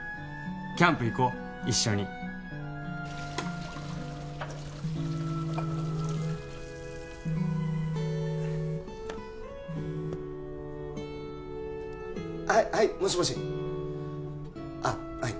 キャンプ行こう一緒にはいはいもしもしあっはい